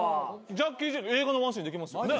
ジャッキー・チェンの映画のワンシーンできますよね。